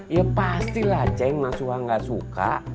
ya pastilah ceng mas suha gak suka